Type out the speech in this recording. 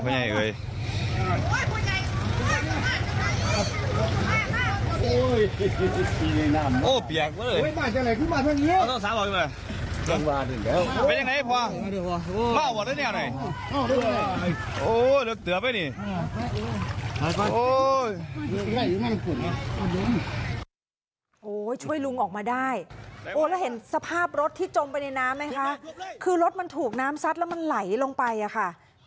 โอ้โหช่วยลุงออกมาได้แล้วเห็นสภาพรถที่จมไปในน้ำไหมคะคือรถมันถูกน้ำซัดแล้วมันไหลลงไปอะค่ะ